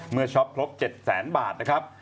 เมื่อช็อปครบ๗๐๐๐๐๐บาทนะครับ